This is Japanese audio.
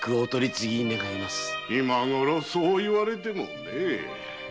今ごろそう言われてもねえ。